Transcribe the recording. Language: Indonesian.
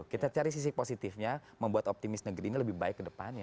kita cari sisi positifnya membuat optimis negeri ini lebih baik ke depannya